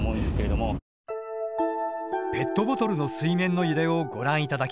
ペットボトルの水面の揺れをご覧頂きたい。